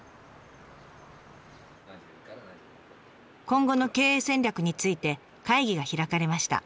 今後の経営戦略について会議が開かれました。